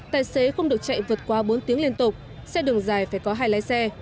tài xế không được chạy vượt qua bốn tiếng liên tục xe đường dài phải có hai lái xe